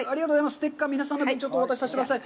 ステッカー、皆さんの分、お渡しさせてください。